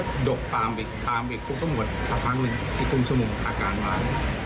ก็ดกตามไปตามไปก็หมดสักครั้งนึงอีกคุณชมมุมอาการมา